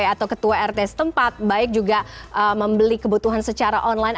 atau ketua rt setempat baik juga membeli kebutuhan secara online